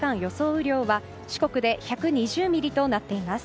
雨量は四国で１２０ミリとなっています。